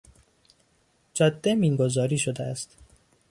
جاده مین گذاری شده است.